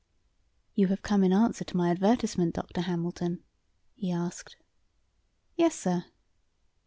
"You have come in answer to my advertisement, Dr. Hamilton?" he asked. "Yes, sir."